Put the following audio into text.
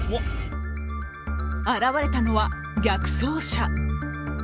現れたのは逆走車。